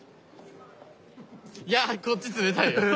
いやこっち冷たいよ。